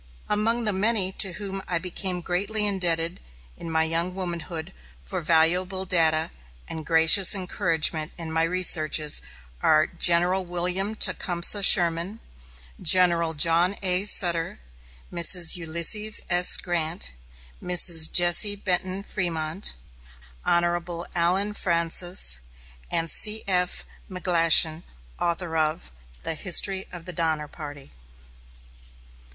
Among the many to whom I became greatly indebted in my young womanhood for valuable data and gracious encouragement in my researches are General William Tecumseh Sherman, General John A. Sutter, Mrs. Ulysses S. Grant, Mrs. Jessie Benton Frémont, Honorable Allen Francis, and C.F. McGlashan, author of the "History of the Donner Party."